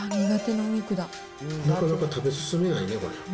なかなか食べ進めないね、これ。